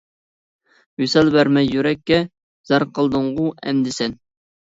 ۋىسال بەرمەي يۈرەككە، زار قىلدىڭغۇ ئەمدى سەن.